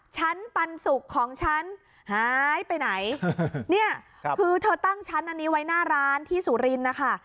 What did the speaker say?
ชั้นปันสุกของฉันหายไปไหนเนี่ยคือเธอตั้งชั้นอันนี้ไว้หน้าร้านที่สุรินทร์นะคะ